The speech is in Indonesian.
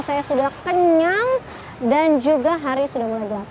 saya sudah kenyang dan juga hari sudah mulai gelap